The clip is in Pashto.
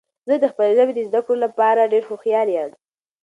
زه د خپلې ژبې د زده کړو لپاره ډیر هوښیار یم.